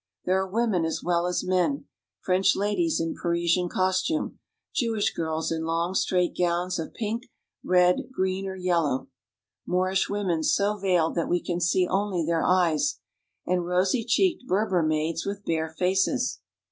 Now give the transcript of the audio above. There are women as well as men : French ladies in Pari sian costume ; Jewish girls in long, straight gowns of pink, red, green, or yellow ; Moorish women so veiled that we can see only their eyes ; and rosy cheeked Berber maids with bare faces.